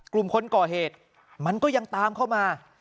กลุ่มคนก่อเหตุมันก็ยังตามเข้ามา